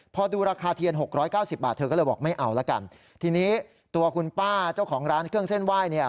พอดูราคาเทียนหกร้อยเก้าสิบบาทเธอก็เลยบอกไม่เอาละกันทีนี้ตัวคุณป้าเจ้าของร้านเครื่องเส้นไหว้เนี่ย